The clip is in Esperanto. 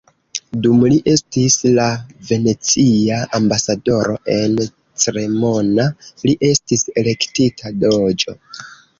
Dum li estis la venecia ambasadoro en Cremona, li estis elektita "doĝo".